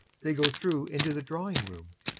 [They go through into the drawing room.] YASHA.